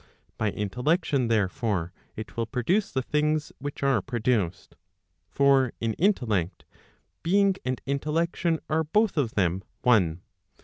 By intellection therefore, it will produce the things which are produced. For in intellect, being and intellection are both of them one.